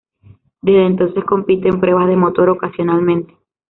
Desde entonces compite en pruebas de motor ocasionalmente.